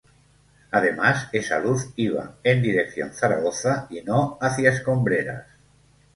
Además esa luz iba en dirección Zaragoza y no hacia Escombreras".